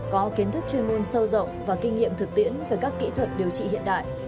có kiến thức chuyên môn sâu rộng và kinh nghiệm thực tiễn về các kỹ thuật điều trị hiện đại